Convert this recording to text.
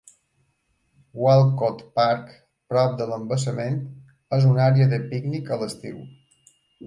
Walcott Park, prop de l'embassament, és una àrea de pícnic a l'estiu.